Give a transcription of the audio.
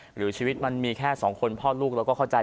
หรือชีวิตมันมีแค่สองคนพ่อลูกเราก็เข้าใจ